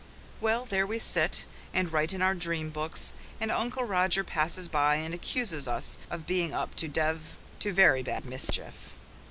Well, there we sit and write in our dream books, and Uncle Roger passes by and accuses us of being up to dev to very bad mischief.